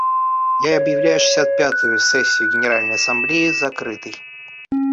Я объявляю шестьдесят пятую сессию Генеральной Ассамблеи закрытой.